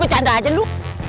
pecanda aja lu